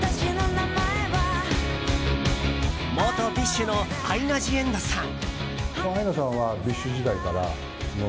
元ＢｉＳＨのアイナ・ジ・エンドさん。